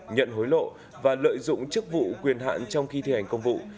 nhận hối lộ và lợi dụng chức vụ quyền hạn trong khi thi hành công vụ